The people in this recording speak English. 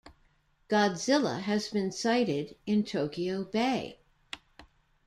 Godzilla has been sighted in Tokyo Bay.